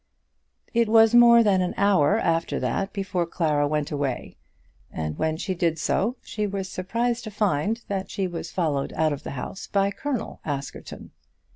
It was more than an hour after that before Clara went away, and when she did so she was surprised to find that she was followed out of the house by Colonel Askerton.